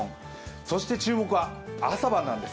そして注目は朝晩なんです。